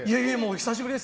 久しぶりです。